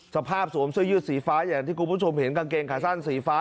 สวมเสื้อยืดสีฟ้าอย่างที่คุณผู้ชมเห็นกางเกงขาสั้นสีฟ้า